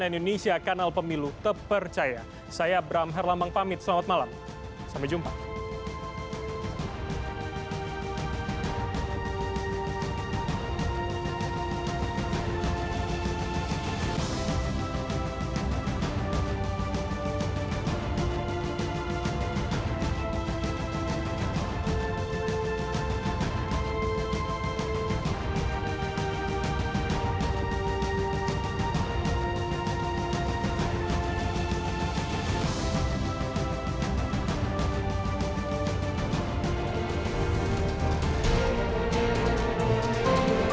terima kasih pak